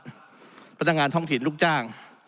พยอบประต่างงานท่องถีนลูกจ้าง